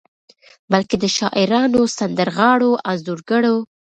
بلکې د شاعرانو، سندرغاړو، انځورګرو